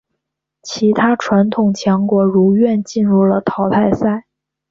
其他传统强国如愿进入了淘汰赛。